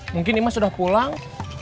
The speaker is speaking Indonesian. mungkin imas udah pulang